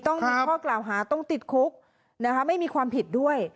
ต้องมีข้อกล่าวหาต้องติดคุกนะคะไม่มีความผิดด้วย